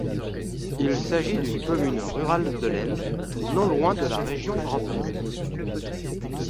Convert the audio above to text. Il s'agit d'une commune rurale de l'Aisne, non loin de la région Grand Est.